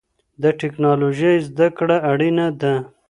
د ټکنالوژۍ زده کړه اړینه ده.